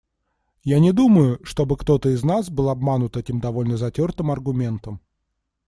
Я не думаю, чтобы кто-то из нас был обманут этим довольно затертым аргументом.